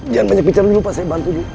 jangan banyak bicara dulu pak saya bantu juga